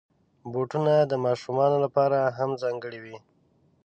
بوټونه د ماشومانو لپاره هم ځانګړي وي.